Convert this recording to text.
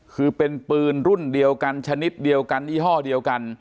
คือเป็นปืนรุ่นเดียวกันชนิดเดียวกันยี่ห้อเดียวกัน